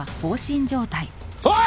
おい！！